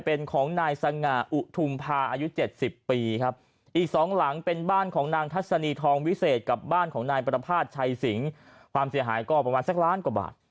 เป็นของนายสง่าอุทุมภาอายุเจ็ดสิบปีครับอีกสองหลังเป็นบ้านของนางทัศนีทองวิเศษกับบ้านของนายประภาษณชัยสิงความเสียหายก็ประมาณสักล้านกว่าบาท